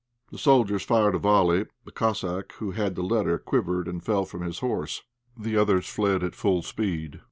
The soldiers fired a volley. The Cossack who had the letter quivered and fell from his horse; the others fled at full speed.